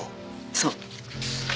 そう。